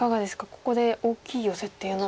ここで大きいヨセっていうのは？